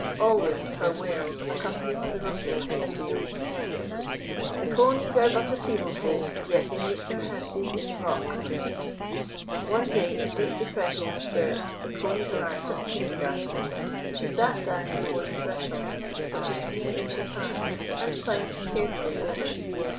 Always her wails accompanied the rumbling of its wheels. "The Conies are but a feeble folk, yet they make their houses in the rocks." One day in deep depression of spirits the Coney arrived at the kindergarten. She sat down before the threshold, which is three inches high, and climbed carefully over it.